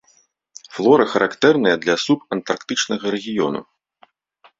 Флора характэрная для субантарктычнага рэгіёну.